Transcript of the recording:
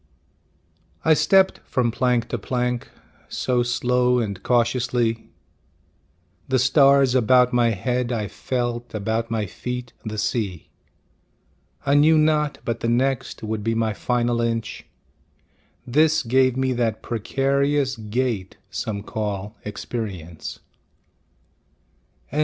I stepped from plank to plank So slow and cautiously; The stars about my head I felt, About my feet the sea. I knew not but the next Would be my final inch, This gave me that precarious gait Some call experience. LIV.